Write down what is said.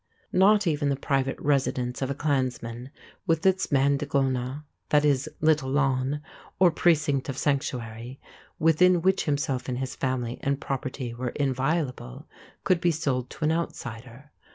Not even the private residence of a clansman, with its maighin digona = little lawn or precinct of sanctuary, within which himself and his family and property were inviolable, could be sold to an outsider.